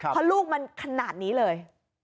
เพราะลูกมันขนาดนี้เลย